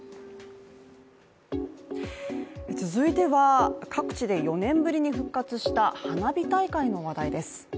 続いては各地で４年ぶりに復活した花火大会の話題です。